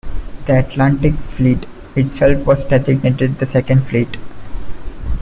The Atlantic Fleet, itself, was designated the Second Fleet.